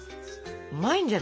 うまいんじゃない？